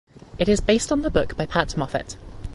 It is based on the book by Pat Moffett.